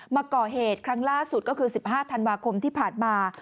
มาก่อเหตุครั้งล่าสุดก็คือ๑๕ธันวาคมที่ผ่านมา